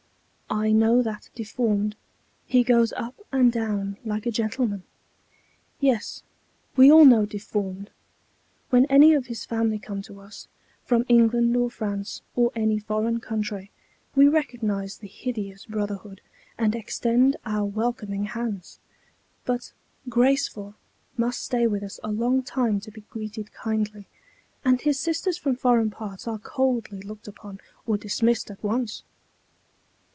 "I know that Deformed; he goes up and down like a gentleman." Yes, we all know Deformed. When any of his family come to us, from England or France or any foreign country, we recognize the hideous brotherhood, and extend our welcoming hands; but Graceful must stay with us a long time to be greeted kindly, and her sisters from foreign parts are coldly looked upon, or dismissed at once.